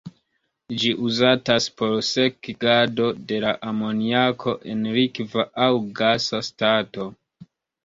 Ĝi uzatas por sekigado de la amoniako en likva aŭ gasa stato.